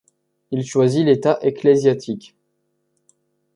Il choisit l'état ecclésiastique.